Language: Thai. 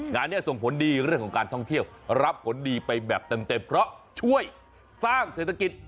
งานนี้ส่งผลดีเรื่องของการท่องเที่ยวรับผลดีไปแบบเต็มเพราะช่วยสร้างเศรษฐกิจ